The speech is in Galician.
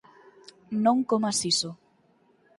Non comas iso.